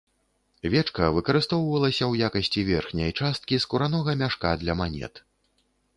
Вечка выкарыстоўвалася ў якасці верхняй часткі скуранога мяшка для манет.